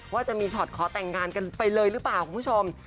ว่าจะมีช็อตขอแต่งงานกันไปเลยหรือเปล่าคุณผู้ชม